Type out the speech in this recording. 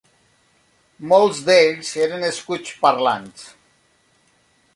Molts d'ells eren escuts parlants.